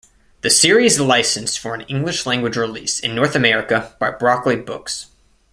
The series licensed for an English-language release in North America by Broccoli Books.